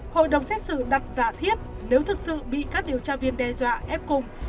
hội đồng xét xử đặt giả thiết nếu thực sự bị các điều tra viên đe dọa ép cùng